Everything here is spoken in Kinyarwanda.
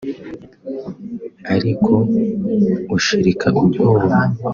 "Ariko ushirika ubwoba